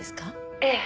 「ええ。